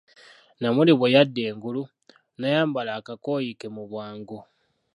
Namuli bwe yadda engulu, n'ayambala akakooyi ke mu bwangu .